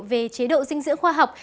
về chế độ dinh dưỡng khoa học